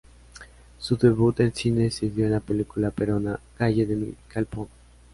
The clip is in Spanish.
Su debut en cine se dio en la película peruana "Gallo de mi galpón".